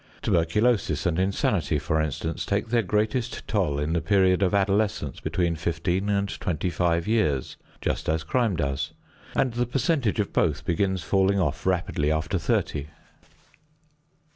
Tuberculosis and insanity, for instance, take their greatest toll in the period of adolescence between fifteen and twenty five years, just as crime does, and the percentage of both begins falling off rapidly after thirty.